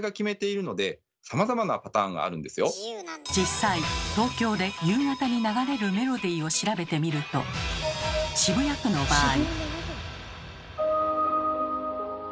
実際東京で夕方に流れるメロディーを調べてみると渋谷区の場合。